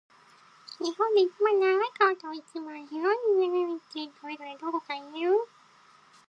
日本で一番長い川と、一番広い湖って、それぞれどこか言える？